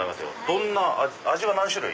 どんな味味は何種類？